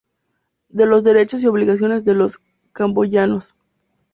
De los derechos y obligaciones de los camboyanos.